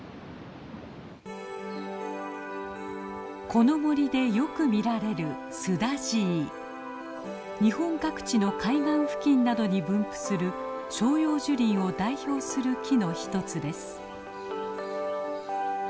この森でよく見られる日本各地の海岸付近などに分布する照葉樹林を代表する木の一つです。